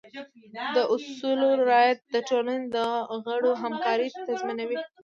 د اصولو رعایت د ټولنې د غړو همکارۍ تضمینوي.